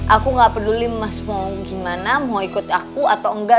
aku gak peduli mas mau gimana mau ikut aku atau enggak